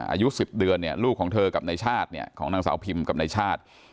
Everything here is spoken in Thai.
อายุ๑๐เดือนเนี่ยลูกของเธอกับนายชาติเนี่ยของนางสาวพิมกับนายชาติ